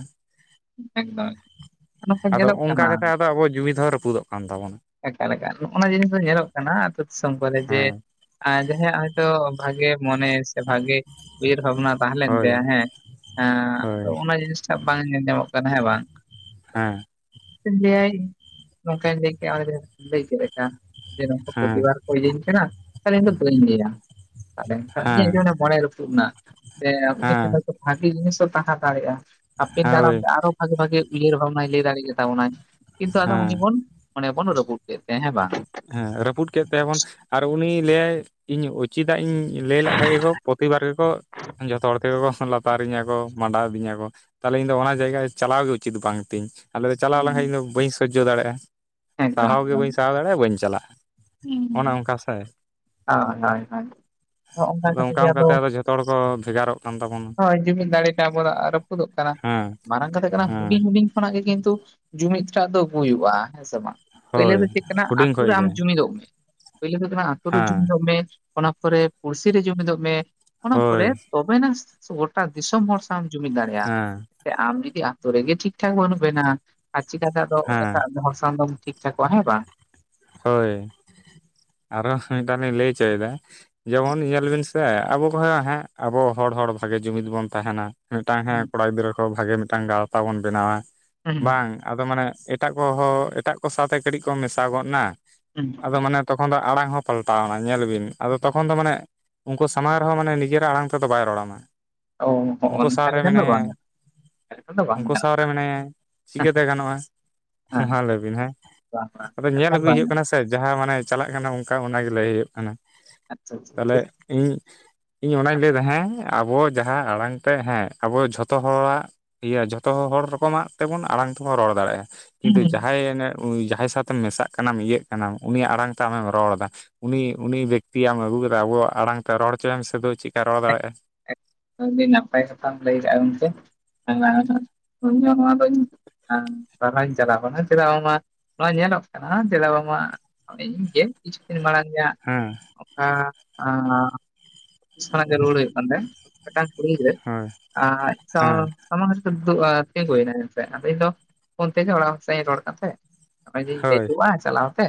ᱮᱠᱫᱚᱢ ᱱᱚᱝᱠᱟ ᱟᱫᱚ ᱧᱮᱞᱚᱜ ᱚᱱᱠᱟ ᱠᱟᱱᱟ ᱠᱟᱛᱮ ᱟᱫᱚ ᱟᱵᱚᱣᱟᱜ ᱦᱡᱩᱢᱤᱫ ᱦᱚᱸ ᱨᱟᱹᱯᱩᱫᱚᱜ ᱠᱟᱱ ᱛᱟᱵᱚᱱᱟ᱾ ᱮᱠᱟᱞ, ᱮᱠᱟᱞ ᱱᱚᱜᱱᱟ ᱡᱤᱱᱤᱥ ᱫᱚ ᱧᱮᱞᱚᱜ ᱠᱟᱱᱟ ᱟᱹᱛᱩ ᱫᱤᱥᱚᱢ ᱠᱚᱨᱮ ᱡᱮ ᱦᱮᱸ ᱡᱟᱦᱟᱸᱭᱟᱜ ᱦᱚᱭᱛᱚ ᱵᱷᱟᱜᱤ ᱢᱚᱱᱮ ᱥᱮ ᱵᱷᱟᱜᱤ ᱩᱭᱦᱟᱹᱨ ᱵᱷᱟᱵᱽᱱᱟ ᱛᱟᱦᱮᱸ ᱞᱮᱱ ᱦᱳᱭ ᱛᱟᱭᱟ ᱦᱮᱸ ᱮ ᱦᱳᱭ ᱟᱫᱚ ᱚᱱᱟ ᱡᱤᱱᱤᱥᱴᱟᱜ ᱵᱟᱝ ᱧᱮᱞ ᱧᱟᱢᱚᱜ ᱠᱟᱱᱟ ᱦᱮᱸ ᱵᱟᱝ? ᱦᱮᱸ᱾ ᱞᱟᱹᱭᱟᱭ ᱱᱚᱝᱠᱟ ᱞᱟᱹᱭ ᱠᱮᱫ ᱞᱟᱹᱭ *unintelligible* ᱦᱮᱸ ᱯᱚᱛᱤᱵᱟᱨ *unintelligible* ᱠᱟᱱᱟ ᱛᱟᱦᱚᱞᱮ ᱤᱧ ᱫᱚ ᱵᱟᱹᱧ ᱞᱟᱹᱭᱟ ᱛᱟᱦᱚᱞᱮᱠᱷ ᱤᱧᱟᱹᱜ ᱦᱮᱸ ᱡᱚᱱ ᱢᱚᱱᱮ ᱨᱟᱹᱯᱩᱫ ᱮᱱᱟ᱾ ᱥᱮ ᱩᱱᱤ ᱴᱷᱮᱱ ᱦᱮᱸ ᱵᱷᱟᱜᱤ ᱡᱤᱱᱤᱥ ᱦᱚᱸ ᱛᱟᱦᱮᱸ ᱫᱟᱲᱮᱭᱟᱜᱼᱟ ᱦᱟᱯᱤᱱ ᱫᱟᱨᱟᱢ ᱦᱳᱭ ᱛᱮ ᱟᱨᱚ ᱵᱷᱟᱜᱤ ᱵᱷᱟᱜᱤ ᱩᱭᱦᱟᱹᱨ ᱵᱷᱟᱵᱱᱟᱭ ᱞᱟᱹᱭ ᱫᱟᱲᱮ ᱠᱮᱛᱟ ᱵᱚᱱᱟᱭ ᱠᱤᱱᱛᱩ ᱟᱫᱚ ᱩᱱᱤ ᱦᱮᱸ ᱵᱚᱱ ᱢᱚᱱᱮ ᱵᱚᱱ ᱨᱟᱯᱩᱫ ᱠᱮᱫ ᱛᱟᱭᱟ ᱦᱮᱸ ᱵᱟᱝ? ᱦᱮᱸ ᱨᱟᱹᱯᱩᱫ ᱠᱮᱫ ᱛᱟᱭᱟᱵᱚᱱ ᱟᱨ ᱩᱱᱤ ᱞᱟᱹᱭᱟᱭ ᱤᱧ ᱪᱮᱫᱟᱜ ᱤᱧ ᱞᱟᱹᱭ ᱞᱮ ᱠᱷᱟᱱᱡ ᱜᱮᱠᱚ ᱯᱨᱚᱛᱤᱵᱟᱨ ᱜᱮᱠᱚ ᱡᱚᱛᱚ ᱦᱚᱲ ᱛᱮᱜᱮ ᱠᱚ ᱞᱟ ᱵᱮᱯᱟᱨᱤᱧᱟᱹ ᱠᱚ ᱢᱟᱸᱰᱟᱣ ᱤᱫᱤᱧ ᱟᱠᱚ ᱛᱟᱦᱚᱞᱮ ᱤᱧᱫᱚ ᱚᱱᱟ ᱡᱟᱭᱜᱟ ᱪᱟᱞᱟᱣ ᱜᱮ ᱩᱪᱤᱛ ᱵᱟᱝ ᱛᱤᱧ᱾ ᱟᱞᱮ ᱪᱟᱞᱟᱣ ᱞᱮᱱᱠᱷᱟᱡ ᱤᱧᱫᱚ ᱵᱟᱹᱧ ᱥᱚᱡᱡᱚ ᱫᱟᱲᱮᱭᱟᱜᱼᱟ ᱮᱠᱫᱚᱢ ᱥᱟᱦᱟᱣ ᱜᱮ ᱮᱠᱫᱚᱢ ᱵᱟᱹᱧ ᱥᱟᱦᱟᱣ ᱫᱟᱲᱮᱭᱟᱜᱼᱟ ᱵᱟᱹᱧ ᱪᱟᱞᱟᱜᱼᱟ᱾ ᱚᱱᱮ ᱦᱩᱸ, ᱚᱱᱠᱟ ᱥᱮ ᱦᱳᱭ, ᱦᱳᱭ᱾ ᱚᱱᱠᱟ ᱠᱟᱛᱮ ᱜᱮ ᱟᱫᱚ ᱚᱱᱠᱟᱛᱮ ᱡᱷᱚᱛᱚ ᱦᱚᱲ ᱠᱚ ᱵᱷᱮᱜᱟᱨᱚᱜ ᱠᱟᱱ ᱛᱟᱵᱚᱱᱟ ᱦᱳᱭ ᱡᱩᱢᱤᱫ ᱫᱟᱲᱮ ᱴᱟᱜ ᱟᱵᱚ ᱟᱨᱚ ᱨᱟᱯᱩᱫᱚᱜ ᱠᱟᱱᱟ ᱦᱮᱸ ᱢᱟᱨᱟᱝ ᱠᱟᱛᱷᱟ ᱠᱟᱱᱟ ᱦᱮᱸ ᱦᱩᱰᱤᱧ ᱦᱩᱰᱤᱧ ᱠᱷᱚᱱᱟᱜ ᱜᱮ ᱠᱤᱱᱛᱩ ᱡᱩᱢᱤᱫ ᱴᱟᱜ ᱫᱚ ᱦᱩᱭᱩᱜᱼᱟ ᱦᱮᱸ ᱥᱮ ᱵᱟᱝ ᱯᱳᱭᱞᱳ ᱦᱳᱭ ᱫᱚ ᱪᱮᱫ ᱠᱟᱱᱟ ᱦᱩᱰᱤᱧ ᱟᱛᱩ ᱠᱷᱚᱡ ᱨᱮ ᱟᱢ ᱜᱮ ᱡᱩᱢᱤᱫᱚᱜ ᱢᱮ ᱯᱳᱭᱞᱳ ᱫᱚ ᱦᱩᱭᱩᱜ ᱠᱟᱱᱟ ᱟᱛᱳ ᱨᱮ ᱦᱮᱸ ᱡᱩᱢᱤᱫᱚᱜ ᱢᱮ ᱚᱱᱟ ᱯᱚᱨᱮ ᱯᱩᱲᱥᱤ ᱨᱮ ᱡᱩᱢᱤᱫᱚᱜ ᱢᱮ᱾ ᱚᱱᱟ ᱦᱳᱭ ᱯᱚᱨᱮ ᱛᱚᱵᱮᱱᱟ ᱜᱳᱴᱟ ᱫᱤᱥᱚᱢ ᱦᱚᱲ ᱥᱟᱶ ᱡᱩᱢᱤᱫ ᱦᱮᱸ ᱫᱟᱲᱮᱭᱟᱜᱼᱟ᱾ ᱟᱢ ᱡᱩᱫᱤ ᱟᱛᱳ ᱨᱮᱜᱮ ᱴᱷᱤᱠ ᱴᱷᱟᱠ ᱵᱟᱹᱱᱩᱜ ᱵᱮᱱᱟ ᱟᱨ ᱪᱤᱠᱟᱛᱮ ᱟᱫᱚ ᱦᱮᱸ ᱮᱴᱟᱜ ᱦᱚᱲ ᱥᱟᱣ ᱫᱚᱢ ᱴᱷᱤᱠ *unintelligible* ᱠᱚᱣᱟ ᱦᱮᱸ ᱵᱟᱝ? ᱦᱳᱭ ᱟᱨᱚ ᱢᱤᱫᱴᱟᱝ ᱞᱤᱧ ᱞᱟᱹᱭ ᱪᱚᱭᱫᱟ ᱡᱮᱢᱚᱱ ᱧᱮᱞ ᱵᱤᱱ ᱥᱮ ᱟᱵᱚ ᱠᱷᱚᱱ ᱦᱮᱸ ᱟᱵᱚ ᱦᱚᱲ ᱦᱚᱲ ᱵᱷᱟᱜᱮ ᱡᱩᱢᱤᱫ ᱵᱚᱱ ᱛᱟᱦᱮᱱᱟ᱾ ᱢᱤᱫᱴᱟᱝ ᱦᱮᱸ ᱠᱚᱲᱟ ᱜᱤᱫᱽᱨᱟᱹ ᱠᱚ ᱵᱷᱟᱜᱮ ᱢᱤᱫᱴᱟᱝ ᱜᱟᱶᱛᱟ ᱵᱚᱱ ᱵᱮᱱᱟᱣᱟ ᱦᱩᱸ ᱾ᱵᱟᱝ ᱟᱫᱚ ᱢᱟᱱᱮ ᱮᱴᱟᱜ ᱠᱚᱦᱚᱸ ᱮᱴᱟᱜ ᱠᱚ ᱥᱟᱶᱛᱮ ᱠᱟᱴᱤᱡ ᱠᱚ ᱢᱮᱥᱟ ᱜᱚᱫ ᱱᱟ ᱦᱩᱸ ᱟᱫᱚ ᱢᱟᱱᱮ ᱛᱚᱠᱷᱚᱱ ᱫᱚ ᱟᱲᱟᱝ ᱦᱚᱸ ᱯᱟᱞᱴᱟᱣᱱᱟ ᱧᱮᱞ ᱵᱤᱱ ᱟᱫᱚ ᱛᱚᱠᱷᱚᱱ ᱫᱚ ᱢᱟᱱᱮ ᱩᱱᱠᱩ ᱥᱟᱢᱟᱝ ᱨᱮᱦᱚᱸ ᱢᱟᱱᱮ ᱱᱤᱡᱮᱨᱟᱜ ᱟᱲᱟᱝ ᱛᱮᱫᱚ ᱵᱟᱭ ᱨᱚᱲᱟᱢᱟ ᱚ ᱦᱚᱸᱜᱼᱚ ᱩᱱᱠᱩ ᱱᱚᱝᱠᱟ ᱥᱟᱶᱨᱮ ᱞᱮᱠᱷᱟᱱ ᱫᱚ ᱢᱮᱱᱟᱭᱟ ᱵᱟᱝ ᱾ ᱜᱟᱱᱚᱜᱼᱟ ᱮᱱᱠᱷᱟᱱ ᱫᱚ ᱵᱟᱝ ᱩᱱᱠᱩ ᱜᱟᱱᱚᱜᱼᱟ ᱥᱟᱶᱨᱮ ᱢᱮᱱᱟᱭᱟ ᱪᱤᱠᱟᱹᱛᱮ ᱜᱟᱱᱚᱜ-ᱟ ᱾ ᱦᱮᱸ ᱢᱟ ᱞᱟᱹᱭ ᱵᱤᱱ ᱦᱮᱸ ᱵᱟᱝ ᱵᱟᱝ ᱟᱫᱚ ᱧᱮᱞ ᱮᱱᱠᱷᱟᱱ ᱟᱹᱜᱩᱭ ᱵᱟᱝ ᱦᱩᱭᱩᱜ ᱜᱟᱱᱚᱜᱼᱟ ᱠᱟᱱᱟ ᱾ ᱥᱮ ᱡᱟᱦᱟᱸ ᱢᱟᱱᱮ ᱪᱟᱞᱟᱜ ᱠᱟᱱᱟ ᱚᱱᱠᱟ ᱚᱱᱟ ᱜᱮ ᱞᱟᱹᱭ ᱦᱩᱭᱩᱜ ᱠᱟᱱᱟ ᱟᱪᱪᱷᱟ ᱟᱪᱪᱷᱟ ᱛᱟᱦᱚᱞᱮ ᱴᱷᱤᱠ ᱤᱧ ᱤᱧ ᱚᱱᱟᱧ ᱞᱟᱹᱭᱮᱫᱟ ᱦᱮᱸ ᱟᱵᱚ ᱡᱟᱦᱟᱸ ᱟᱲᱟᱝ ᱛᱮ ᱦᱮᱸ ᱟᱵᱚ ᱡᱷᱚᱛᱚ ᱦᱚᱲᱟᱜ ᱤᱭᱟᱹ ᱡᱷᱚᱛᱚ ᱦᱚᱲ ᱨᱚᱠᱚᱢᱟᱜ ᱛᱮᱵᱚᱱ ᱟᱲᱟᱝ ᱛᱮᱵᱚᱱ ᱨᱚᱲ ᱫᱟᱲᱮᱭᱟᱜ-ᱟ ᱾ ᱦᱩᱸ ᱠᱤᱱᱛᱩ ᱦᱩᱸ ᱡᱟᱦᱟᱸᱭ ᱡᱟᱦᱟᱸᱭ ᱥᱟᱶᱛᱮ ᱢᱮᱥᱟᱜ ᱠᱟᱱᱟᱢ ᱤᱭᱟᱹᱜ ᱠᱟᱱᱟᱢ ᱩᱱᱤ ᱟᱲᱟᱝ ᱛᱮ ᱟᱢᱮᱢ ᱨᱚᱲ ᱮᱫᱟ ᱾ ᱩᱱᱤ ᱩᱱᱤ ᱵᱮᱠᱛᱤ ᱟᱢ ᱟᱹᱜᱩ ᱠᱟᱛᱮᱫ ᱟᱵᱚᱣᱟᱜ ᱟᱲᱟᱝ ᱛᱮ ᱨᱚᱲ ᱦᱚᱪᱚᱭᱢ ᱥᱮ ᱪᱮᱫᱠᱟᱭ ᱨᱚᱲ ᱫᱟᱲᱮᱭᱟᱜ-ᱟ ᱾ ᱟᱰᱤ ᱱᱟᱯᱟᱭ ᱠᱟᱛᱷᱟᱢ ᱞᱟᱭ ᱟᱠᱟᱫᱟ ᱜᱚᱢᱠᱮ ᱤᱧ ᱱᱚᱣᱟ ᱫᱚᱧ ᱦᱮ ᱥᱟᱨᱦᱟᱣ ᱤᱧ ᱪᱟᱞ ᱟᱢᱠᱟᱱᱟ ᱪᱮᱫᱟᱜ ᱵᱟᱝ ᱢᱟ ᱱᱚᱣᱟ ᱧᱮᱞᱚᱜ ᱠᱟᱱᱟ ᱪᱮᱫᱟᱜ ᱵᱟᱝ ᱢᱟ ᱤᱧ ᱜᱮ ᱠᱤᱪᱷᱩ ᱫᱤᱱ ᱢᱟᱨᱟᱝ ᱜᱮ ᱦᱟᱜ ᱦᱮᱸ ᱾ ᱦᱮ ᱚᱱᱟ ᱠᱷᱚᱱᱟᱜ ᱜᱮ ᱨᱩᱣᱟᱹᱲ ᱦᱩᱭᱩᱜ ᱠᱟᱱ ᱛᱟᱦᱮᱱ ᱢᱤᱫᱴᱟᱝ ᱠᱩᱲᱤ ᱜᱤᱫᱽᱨᱟᱹ ᱦᱳᱭ ᱟᱡ ᱥᱟᱶ ᱦᱮᱸ ᱥᱟᱢᱟᱝ ᱛᱤᱸᱜᱩᱭᱱᱟ ᱮᱱᱥᱮ ᱟᱫᱚ ᱤᱧ ᱫᱚ ᱯᱷᱳᱱ ᱛᱮᱜᱮ ᱚᱲᱟᱜ ᱦᱚᱲ ᱥᱟᱣ ᱤᱧ ᱨᱚᱲ ᱠᱟᱱ ᱛᱟᱦᱮᱸᱫ ᱾ ᱚᱱᱮ ᱡᱮᱧ ᱦᱳᱭ ᱞᱮᱴᱚᱜ-ᱟ ᱪᱟᱞᱟᱣ ᱛᱮ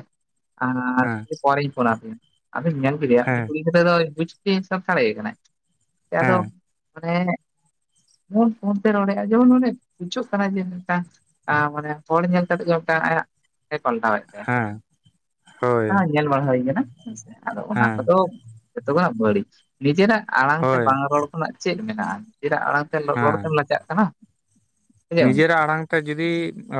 ᱟᱨ ᱦᱮᱸ ᱯᱚᱨᱮᱧ ᱯᱷᱳᱱᱟᱯᱮᱭᱟ ᱟᱫᱚᱧ ᱧᱮᱞ ᱭᱟ ᱩᱱᱤ ᱦᱮᱸ ᱠᱩᱲᱤ ᱜᱤᱫᱽᱨᱟᱹ ᱫᱚ ᱵᱩᱡᱽ ᱥᱟᱵ ᱫᱟᱲᱮ ᱠᱟᱱᱟ ᱟᱫᱚ ᱦᱮᱸ ᱢᱟᱱᱮ ᱯᱷᱚᱱ ᱯᱷᱳᱱ ᱛᱮ ᱨᱚᱲ ᱮᱜᱟ ᱡᱮᱢᱚᱱ ᱚᱱᱰᱮ ᱵᱩᱡᱟᱹᱜ ᱠᱟᱱᱟ ᱡᱮ ᱢᱤᱫᱴᱟᱝ ᱢᱟᱱᱮ ᱦᱚᱲ ᱧᱮᱞ ᱠᱟᱛᱮᱫ ᱜᱮ ᱢᱤᱫᱴᱟᱝ ᱟᱭᱟᱜ ᱮ ᱯᱟᱞᱴᱟᱣᱮᱫ ᱛᱟᱭᱟ ᱦᱮᱸ ᱦᱳᱭ ᱦᱮᱸ ᱧᱮᱞ ᱵᱟᱲᱟ ᱦᱩᱭ ᱠᱟᱱᱟ ᱾ ᱦᱮᱸᱥᱮ ᱟᱫᱚ ᱚᱱᱟ ᱦᱮᱸ ᱠᱚᱫᱚ ᱡᱚᱛᱚ ᱠᱷᱚᱱᱟᱜ ᱵᱟᱹᱲᱤᱡ ᱱᱤᱡᱮᱨᱟᱜ ᱟᱲᱟᱝ ᱛᱮ ᱦᱳᱭ ᱵᱟᱝ ᱨᱚᱲ ᱱᱟᱜ ᱪᱮᱫ ᱢᱮᱱᱟᱜ-ᱟ ᱪᱮᱫᱟᱜ ᱟᱲᱟᱝ ᱛᱮ ᱨᱚᱲ ᱦᱮᱸ ᱛᱮᱢ ᱞᱟᱡᱟᱜ ᱠᱟᱱᱟ ᱾ ᱱᱤᱡᱮᱨᱟᱜ ᱟᱲᱟᱝ ᱛᱮ ᱡᱩᱫᱤ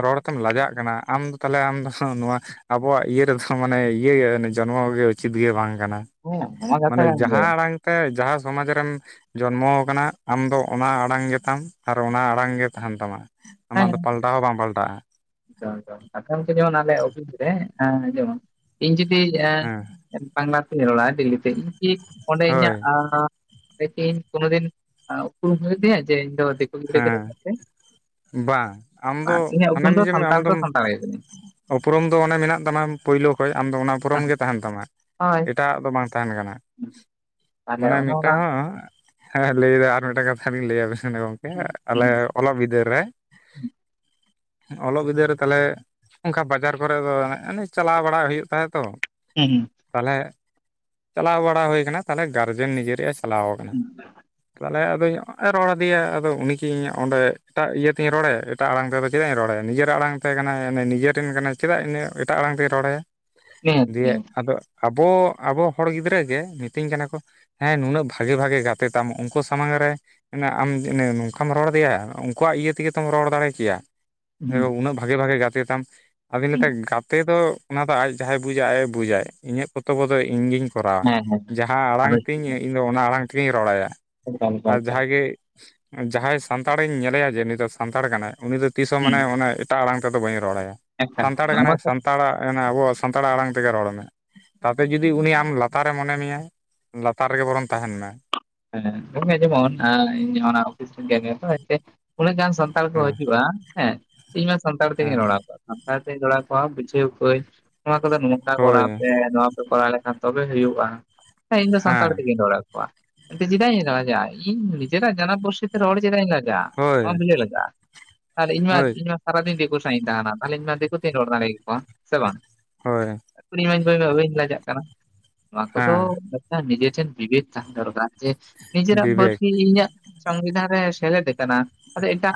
ᱨᱚᱲ ᱛᱮᱢ ᱞᱟᱡᱟᱜ ᱠᱟᱱᱟ ᱟᱢ ᱫᱚ ᱛᱟᱦᱞᱮ ᱟᱢ ᱫᱚ ᱱᱚᱣᱟ ᱟᱵᱚᱣᱟᱜ ᱤᱭᱟᱹ ᱨᱮᱫᱚ ᱢᱟᱱᱮ ᱤᱭᱟᱹ ᱡᱚᱱᱢᱚ ᱜᱮ ᱩᱪᱤᱛ ᱜᱮ ᱵᱟᱝ ᱠᱟᱱᱟ ᱦᱮᱸ ᱚᱱᱟ ᱢᱟ ᱾ ᱠᱟᱛᱷᱟ ᱢᱟᱱᱮ ᱠᱟᱱ ᱜᱮ ᱡᱟᱦᱟᱸ ᱟᱲᱟᱝ ᱛᱮ ᱡᱟᱦᱟᱸ ᱥᱚᱢᱟᱡᱽ ᱨᱮᱢ ᱡᱚᱱᱢᱚ ᱟᱠᱟᱱᱟ ᱟᱢ ᱫᱚ ᱚᱱᱟ ᱟᱲᱟᱝ ᱜᱮᱛᱟᱢ ᱟᱨ ᱚᱱᱟ ᱟᱲᱟᱝ ᱜᱮ ᱛᱟᱦᱮᱱ ᱛᱟᱢᱟ ᱟᱢᱟᱜ ᱫᱚ ᱯᱟᱞᱴᱟᱣ ᱦᱚᱸ ᱵᱟᱢ ᱯᱟᱞᱴᱟᱜ-ᱟ ᱾ ᱟᱪᱷᱟ ᱜᱚᱢᱠᱮ ᱡᱮᱢᱚᱱ ᱟᱞᱮ ᱚᱯᱷᱤᱥ ᱨᱮ ᱡᱮᱢᱚᱱ ᱤᱧ ᱡᱩᱫᱤ ᱦᱮᱸ ᱵᱟᱝᱞᱟ ᱛᱮᱧ ᱨᱚᱲᱟᱜ-ᱟ ᱰᱤᱞᱤᱛᱮ ᱤᱧ ᱠᱤ ᱚᱸᱰᱮ ᱦᱳᱭ ᱤᱧᱟᱹᱜ ᱤᱧ ᱠᱳᱱ ᱫᱤᱱᱩ ᱩᱯᱨᱩᱢ ᱦᱩᱭᱩᱜ ᱛᱤᱧᱟ ᱡᱮ ᱤᱧ ᱫᱚ ᱫᱤᱠᱩ ᱜᱤᱫᱽᱨᱟᱹ ᱠᱟᱹᱱᱟᱹᱧ ᱦᱮᱸ ᱢᱮᱱᱛᱮ ᱵᱟᱝ ᱟᱢ ᱫᱚ ᱵᱟᱝ, ᱤᱧᱟᱹᱜ ᱦᱟᱱᱟ ᱩᱯᱨᱩᱢ ᱫᱚ ᱢᱤᱡᱟᱹ ᱥᱟᱱᱛᱟᱲ ᱫᱚ ᱟᱢᱫᱚᱢ ᱥᱟᱱᱛᱟᱲ ᱜᱮ ᱠᱟᱹᱱᱟᱹᱧ ᱩᱯᱨᱩᱢ ᱫᱚ ᱚᱱᱮ ᱢᱮᱱᱟᱜ ᱛᱟᱢᱟ ᱯᱳᱭᱞᱳ ᱠᱷᱚᱡ ᱟᱢ ᱫᱚ ᱚᱱᱟ ᱩᱯᱨᱚᱢ ᱦᱮᱸ ᱜᱮ ᱛᱟᱦᱮᱱ ᱛᱟᱢᱟ, ᱦᱳᱭ ᱮᱴᱟᱜ ᱟᱜ ᱫᱚ ᱵᱟᱝ ᱛᱟᱦᱮᱱ ᱠᱟᱱᱟ᱾ ᱛᱟᱦᱚᱞᱮ ᱢᱟᱱᱮ ᱚᱱᱟ ᱢᱤᱫᱴᱟᱝ ᱨᱮᱱᱟᱜ ᱦᱚᱲ ᱦᱮᱸ ᱞᱟᱹᱭᱫᱟ ᱟᱨ ᱢᱤᱫᱴᱟᱝ ᱠᱟᱛᱷᱟ ᱞᱤᱧ ᱞᱟᱹᱭᱟᱵᱤᱱ ᱜᱚᱝᱠᱮ᱾ ᱟᱞᱮ ᱦᱩᱸ ᱚᱞᱚᱜ ᱵᱤᱫᱟᱹᱞ ᱨᱮ, ᱚᱞᱚᱜ ᱵᱤᱫᱟᱹᱞ ᱨᱮ ᱛᱟᱞᱮ ᱚᱱᱠᱟ ᱵᱟᱡᱟᱨ ᱠᱚᱨᱮ ᱫᱚ ᱚᱱᱮ ᱪᱟᱞᱟᱣ ᱵᱟᱲ ᱦᱩᱭᱩᱜ ᱛᱟᱦᱮᱸ ᱛᱚ ᱦᱩᱸ ᱦᱩᱸ᱾ ᱛᱟᱦᱚᱞᱮ ᱪᱟᱞᱟᱣ ᱵᱟᱲᱟ ᱦᱩᱭ ᱠᱟᱱᱟ, ᱛᱟᱦᱚᱞᱮ ᱜᱟᱨᱡᱮᱱ ᱱᱤᱡᱟᱹᱨᱤ ᱮ ᱪᱟᱞᱟᱣ ᱠᱟᱱᱟ᱾ ᱦᱩᱸ ᱛᱟᱦᱞᱮ ᱟᱫᱚᱧ ᱨᱚᱲᱟᱫᱮᱭ ᱩᱱᱤ ᱠᱤ ᱤᱧ ᱚᱸᱰᱮ ᱮᱴᱟᱜ ᱤᱭᱟᱹ ᱛᱤᱧ ᱨᱚᱲᱮᱟ, ᱮᱴᱟᱜ ᱟᱲᱟᱝ ᱛᱮᱫᱚ ᱪᱮᱫᱟᱜ ᱤᱧ ᱨᱚᱲᱮᱭᱟ, ᱱᱤᱡᱮᱨᱟᱜ ᱟᱲᱟᱝ ᱛᱮ ᱠᱟᱱᱟᱭ ᱱᱤᱡᱟᱹ ᱴᱷᱮᱱ ᱠᱟᱱᱟᱭ ᱪᱮᱫᱟᱜ ᱤᱱᱟᱹ ᱮᱴᱟᱜ ᱟᱲᱟᱝ ᱛᱮᱭ ᱨᱚᱲᱟᱭᱟ, ᱱᱤᱦᱟᱹᱛ ᱫᱤᱭᱮ ᱱᱤᱦᱟᱹᱛ ᱟᱫᱚ ᱟᱵᱚ ᱟᱵᱚ ᱦᱚᱲ ᱜᱤᱫᱽᱨᱟᱹ ᱜᱮ ᱢᱤᱛᱟᱹᱧ ᱠᱟᱱᱟ ᱠᱚ ᱦᱮᱸ ᱱᱩᱱᱟᱹᱜ ᱵᱷᱟᱜᱮ ᱵᱷᱟᱜᱮ ᱜᱟᱛᱮ ᱛᱟᱢ ᱩᱱᱠᱩ ᱥᱟᱢᱟᱝ ᱨᱮ ᱢᱟᱱᱮ ᱟᱢ ᱱᱚᱝᱠᱟᱢ ᱨᱚᱲ ᱟᱫᱮᱭᱟ, ᱩᱱᱠᱩᱣᱟᱜ ᱤᱭᱟᱹ ᱛᱮᱜᱮ ᱛᱚᱢ ᱨᱚᱲ ᱫᱟᱲᱮ ᱠᱮᱭᱟ᱾ ᱦᱩᱸ ᱩᱱᱟᱹᱜ ᱵᱷᱟᱜᱮ, ᱵᱷᱟᱜᱮ ᱜᱟᱛᱮ ᱛᱟᱢ, ᱟᱫᱚ ᱞᱟᱹᱭ ᱫᱟ ᱜᱟᱛᱮ ᱫᱚ ᱚᱱᱟ ᱫᱚ ᱟᱡ ᱡᱟᱦᱟᱸᱭ ᱵᱩᱡᱟ ᱟᱡ ᱮ ᱵᱩᱡᱟᱭ, ᱤᱧᱟᱹᱜ ᱠᱚᱛᱚᱵᱚ ᱫᱚ ᱤᱧᱜᱤᱧ ᱠᱚᱨᱟᱣᱟ, ᱦᱮᱸ ᱦᱮᱸ ᱡᱟᱦᱟᱸ ᱟᱲᱟᱝ ᱟᱫᱚ ᱛᱤᱧ ᱤᱧ ᱫᱚ ᱚᱱᱟ ᱟᱲᱟᱝ ᱛᱮᱜᱮᱧ ᱨᱚᱲ ᱟᱭᱟ, ᱮᱠᱟᱞ ᱮᱠᱟᱞ ᱟᱨ ᱮᱠᱟᱞ ᱡᱟᱦᱟᱸᱭ ᱜᱮ ᱡᱟᱦᱟᱸᱭ ᱥᱟᱱᱛᱟᱲᱤᱧ ᱧᱮᱞᱮᱭᱟ ᱡᱮ ᱩᱱᱤ ᱫᱚ ᱥᱟᱱᱛᱟᱲ ᱠᱟᱱᱟᱭ, ᱩᱱᱤ ᱫᱚ ᱛᱤᱥ ᱦᱚᱸ ᱦᱩᱸ ᱢᱟᱱᱮ ᱚᱱᱮ ᱮᱴᱟᱜ ᱟᱲᱟᱝ ᱛᱮᱫᱚ ᱵᱟᱹᱧ ᱨᱚᱲᱟᱭᱟ, ᱮᱠᱟᱞ ᱥᱟᱱᱛᱟᱲ ᱱᱚᱣᱟ ᱠᱟᱱᱟᱭ ᱢᱟᱛᱚ ᱥᱟᱱᱛᱟᱲᱟᱜ ᱟᱵᱚᱣᱟᱜ ᱥᱟᱱᱛᱟᱲ ᱟᱲᱟᱝ ᱛᱮᱜᱮ ᱨᱚᱲ ᱢᱮ ᱾ ᱛᱟᱛᱮ ᱡᱩᱫᱤ ᱩᱱᱤ ᱟᱢ ᱞᱟᱛᱟᱨᱮ ᱢᱚᱱᱮ ᱢᱮᱭᱟ, ᱞᱟᱛᱟᱨ ᱨᱮᱜᱮ ᱵᱚᱨᱚᱢ ᱛᱟᱦᱮᱸᱱ ᱢᱮ ᱾ ᱦᱮᱸ, ᱦᱮᱸ ᱚᱱᱮ ᱡᱮᱢᱚᱱ ᱤᱧ ᱚᱱᱟ ᱚᱯᱷᱤᱥ ᱨᱤᱧ *inaudible* ᱩᱱᱟᱹᱜ ᱜᱟᱱ ᱥᱟᱱ ᱛᱟᱲ ᱠᱚ ᱦᱮᱸ ᱦᱤᱡᱩᱜᱼᱟ, ᱦᱮᱸ ᱤᱧ ᱢᱟ ᱥᱟᱱᱛᱟᱲ ᱛᱮᱜᱤᱧ ᱦᱮᱸ ᱨᱚᱲ ᱟᱠᱚᱣᱟ ᱾ ᱥᱟᱱᱛᱟᱲ ᱛᱮᱧ ᱨᱚᱲ ᱠᱚᱣᱟ, ᱵᱩᱡᱷᱟᱹᱣ ᱠᱚᱣᱟᱧ, ᱱᱚᱣᱟ ᱠᱚᱫᱚ ᱱᱚᱝᱠᱟ ᱦᱳᱭ ᱠᱚᱨᱟᱣ ᱯᱮ ᱱᱚᱣᱟ ᱠᱚᱨᱟᱣ ᱞᱮᱠᱷᱟᱱ ᱛᱚᱵᱮ ᱦᱩᱭᱩᱜᱼᱟ, ᱦᱮᱸ ᱤᱧ ᱫᱚ ᱥᱟᱱᱛᱟᱲ ᱛᱮᱜᱤᱧ ᱨᱚᱲ ᱟᱠᱚᱣᱟ᱾ ᱪᱮᱫᱟᱜ ᱤᱧ ᱞᱟᱡᱟᱜᱼᱟ, ᱤᱧ ᱱᱤᱡᱮ ᱨᱟᱜ ᱡᱟᱱᱟᱢ ᱯᱟᱹᱨᱥᱤ ᱛᱮ ᱨᱚᱲ ᱪᱮᱫᱟᱜ ᱤᱧ ᱞᱟᱡᱟᱜᱼᱟ ᱾ ᱦᱳᱭ ᱱᱚᱣᱟ ᱫᱚ ᱪᱮᱫ ᱞᱮᱠᱟ ᱟᱨ ᱤᱧ ᱢᱟ, ᱦᱳᱭ ᱤᱧ ᱢᱟ ᱥᱟᱨᱟ ᱫᱤᱱ ᱫᱤᱠᱩ ᱥᱟᱣ ᱤᱧ ᱛᱟᱦᱮᱸᱱᱟ, ᱛᱟᱦᱚᱞᱮ ᱤᱧ ᱢᱟ ᱫᱤᱠᱩ ᱛᱮ ᱨᱚᱲ ᱫᱟᱲᱮ ᱠᱚᱣᱟ ᱥᱮ ᱵᱟᱝ? ᱦᱳᱭ ᱾ *inaudible* ᱵᱟᱵᱮᱱ ᱞᱟᱡᱟᱜ ᱠᱟᱱᱟ, ᱱᱚᱣᱟ ᱠᱚᱫᱚ ᱦᱮᱸ ᱢᱤᱫᱴᱟᱜ ᱱᱤᱡᱮ ᱴᱷᱮᱱ ᱡᱤᱵᱮᱫ ᱛᱟᱦᱮᱸ ᱫᱚᱨᱠᱟᱨ᱾ ᱡᱮ ᱱᱤᱡᱮᱨᱟᱜ ᱵᱤᱵᱮᱠ ᱯᱟᱹᱨᱥᱤ ᱤᱧᱟᱹᱜ ᱥᱚᱝᱵᱤᱫᱷᱟᱱ ᱨᱮ ᱥᱮᱞᱮᱫ ᱟᱠᱟᱱᱟ, ᱟᱫᱚ ᱮᱴᱟᱜ